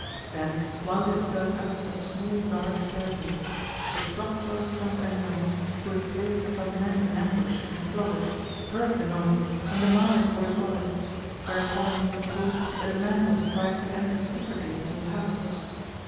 Then while he was going up a small, dark stairway, the Proctor St. Aignan, who had placed some men in ambush in a closet, heard the noise, and demanded what it was; whereupon he was told that a man was trying to enter secretly into his house.